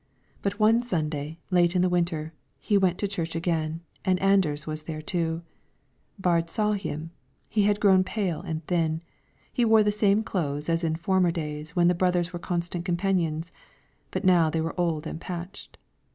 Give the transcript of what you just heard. But one Sunday, late in the winter, he went to church again, and Anders was there too. Baard saw him; he had grown pale and thin; he wore the same clothes as in former days when the brothers were constant companions, but now they were old and patched.